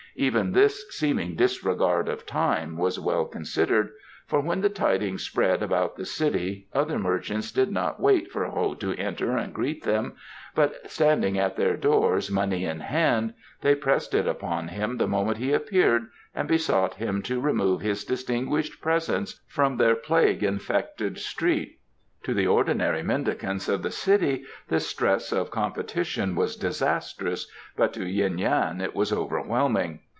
Even this seeming disregard of time was well considered, for when the tidings spread about the city other merchants did not wait for Ho to enter and greet them, but standing at their doors money in hand they pressed it upon him the moment he appeared and besought him to remove his distinguished presence from their plague infected street. To the ordinary mendicants of the city this stress of competition was disastrous, but to Yuen Yan it was overwhelming.